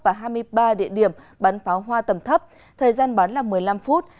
và hai mươi ba địa điểm bắn pháo hoa tầm thấp thời gian bán là một mươi năm phút